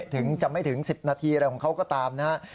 ถึงจะไม่ถึง๑๐นาทีอะไรของเขาก็ตามนะครับ